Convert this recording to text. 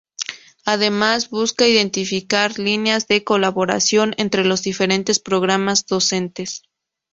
Además, busca identificar líneas de colaboración entre los diferentes programas docentes.